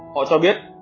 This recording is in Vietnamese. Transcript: họ cho biết